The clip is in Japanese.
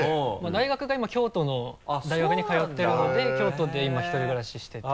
大学が今京都の大学に通ってるので京都で今１人暮らししてて。